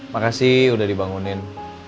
makasih udah dibangunin